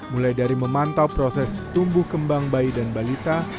mulai dari memantau proses tumbuh kembang bayi dan balita